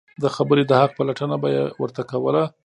د خبرې د حق پلټنه به یې ورته کوله.